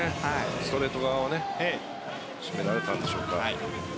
ストレート側を締められたんでしょうか。